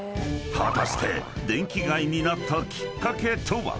［果たして電気街になったきっかけとは？］